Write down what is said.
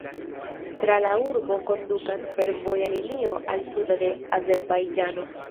Tra la urbo kondukas fervoja linio al sudo de Azerbajĝano.